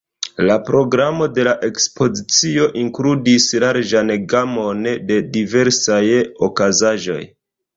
La programo de la ekspozicio inkludis larĝan gamon de diversaj okazaĵoj.